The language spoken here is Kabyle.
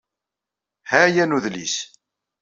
Ha yan udlis.